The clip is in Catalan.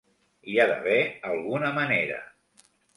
Hi ha d'haver alguna manera.